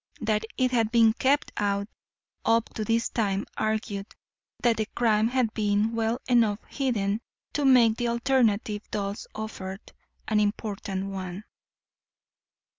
That it had been kept out up to this time argued that the crime had been well enough hidden to make the alternative thus offered an important one.